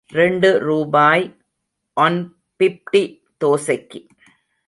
ரெண்டு ரூபாய், one fifty தோசைக்கு.